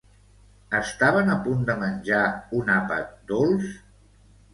Estaven a punt de menjar un àpat dolç?